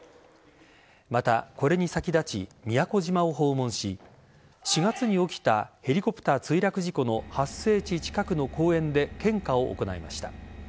また、これに先立ち宮古島を訪問し４月に起きたヘリコプター墜落事故の発生地近くの公園で献花を行いました。